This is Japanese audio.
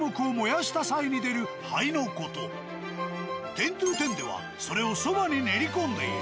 「てんｔｏてん」ではそれをそばに練り込んでいる。